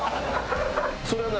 それは何？